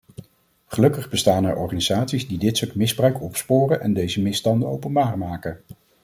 Gelukkig bestaan er organisaties die dit soort misbruik opsporen en deze misstanden openbaar maken.